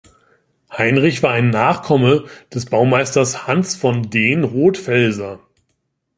Heinrich war ein Nachkomme des Baumeisters Hans von Dehn-Rothfelser.